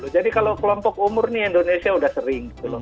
jadi kalau kelompok umur ini indonesia sudah sering